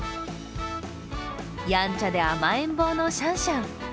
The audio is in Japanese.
やんちゃで甘えん坊のシャンシャン。